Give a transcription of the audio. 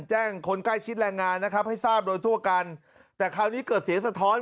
แจ้งคนใกล้ชิดแรงงานนะครับให้ทราบโดยทั่วกันแต่คราวนี้เกิดเสียงสะท้อน